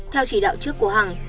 theo chỉ đạo trước của hằng